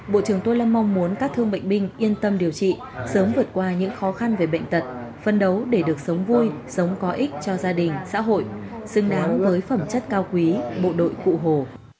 bộ trưởng tô lâm mong muốn các thương bệnh binh yên tâm điều trị sớm vượt qua những khó khăn về bệnh tật phân đấu để được sống vui sống có ích cho gia đình xã hội xứng đáng với phẩm chất cao quý bộ đội cụ hồ